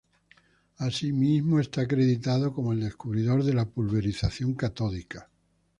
Así mismo, es acreditado como el descubridor de la pulverización catódica.